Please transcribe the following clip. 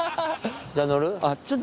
じゃあ乗る？